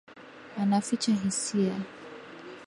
Anaficha hisia